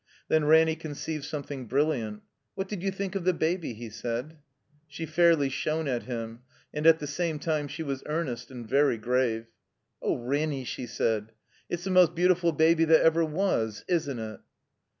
Then Ranny conceived something brilliant. "What did you think of the Baby?" he said. She fairly shone at him, and at the same time she was earnest and very grave. "Oh, Ranny," she said, "it's the most beautiful baby that ever was — ^Isn't it?"